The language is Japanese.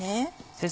先生